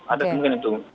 ada kemungkinan itu